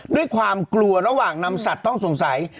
ด้วยความกลัวระหว่างนำสัตว์ต้องสงสัย